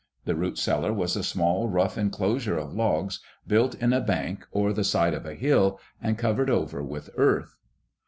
The root cellar was a small, rough enclosure of logs, built in a bank or the side of a hill and covered over with earth.